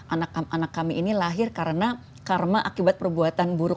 anak anak kami ini lahir karena karma akibat perbuatan buruk